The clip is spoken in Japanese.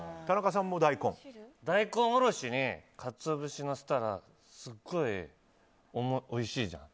大根おろしにカツオ節のせたらすっごいおいしいじゃん。